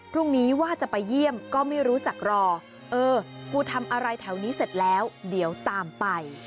ว่าจะไปเยี่ยมก็ไม่รู้จักรอเออกูทำอะไรแถวนี้เสร็จแล้วเดี๋ยวตามไป